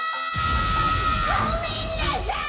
・ごめんなさい！